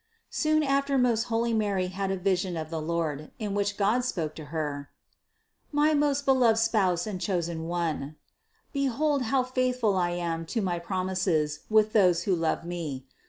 767. Soon after most holy Mary had a vision of the Lord, in which God spoke to Her: "My most beloved Spouse and Chosen one, behold how faithful I am to my promises with those who love Me.